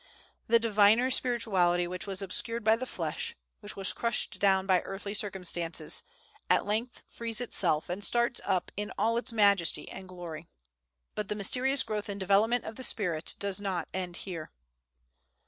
That diviner spirituality which was obscured by the flesh, which was crushed down by earthly circumstances, at length frees itself, and starts up in all its majesty and glory. But the mysterious growth and development of the spirit does not end here.